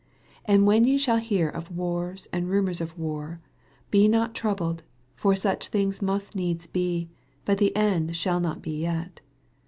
7 And when ye shall hear of wara and rumors of wars, be ye not troub led : for such things must needs be ; but the end shall not be yet.